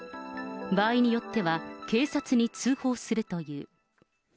場合によっては、警察に通報するという。